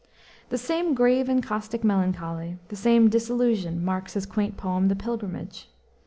The same grave and caustic melancholy, the same disillusion marks his quaint poem, The Pilgrimage.